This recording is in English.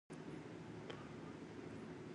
One who practices algorism is known as an algorist.